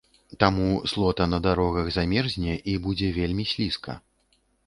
Таму слота на дарогах замерзне і будзе вельмі слізка.